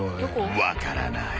［分からない］